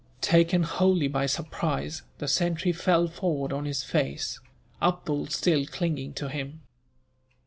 Taken wholly by surprise, the sentry fell forward on his face, Abdool still clinging to him.